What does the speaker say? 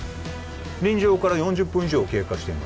臨場から４０分以上経過しています